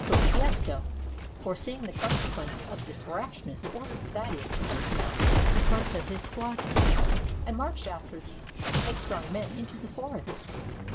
Kosciusko, foreseeing the consequence of this rashness, ordered Thaddeus to dismount a part of his squadron, and march after these headstrong men into the forest.